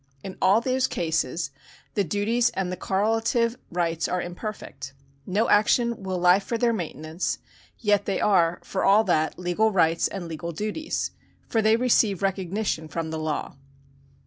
In all those cases the duties and the correlative rights are imperfect. No action will lie for their mainten ance ; yet they are, for all that, legal rights and legal duties, for they receive recognition from the law.